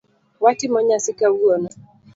Watimo nyasi kawuono.